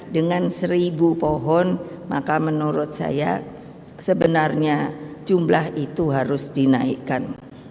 dengan seribu pohon maka menurut saya sebenarnya jumlah itu harus dinaikkan